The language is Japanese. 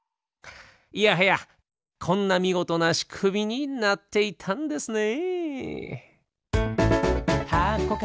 いやはやこんなみごとなしくみになっていたんですね。